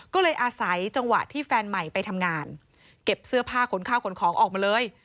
ก็เลยอาศัยจังหวะที่แฟนใหม่ไปทำงานเก็บเสื้อผ้าขนข้าวขนของออกมาเลย